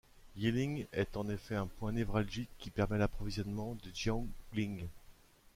Yiling est en effet un point névralgique qui permet l'approvisionnement de Jiangling.